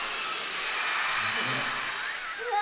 うわ！